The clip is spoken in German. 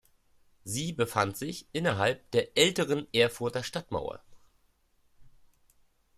Sie befand sich innerhalb der älteren Erfurter Stadtmauer.